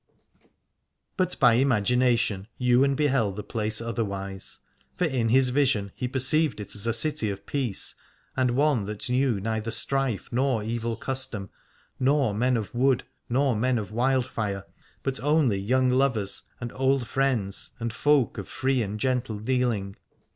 But by imagination Ywain beheld the place otherwise ; for in his vision he perceived it as a city of peace, and one that knew neither strife nor evil custom, nor men of wood nor men of wildfire, but only young lovers and 253 Alad ore old friends and folk of free and gentle deal ing.